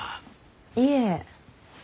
いえ。